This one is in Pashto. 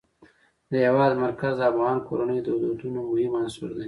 د هېواد مرکز د افغان کورنیو د دودونو مهم عنصر دی.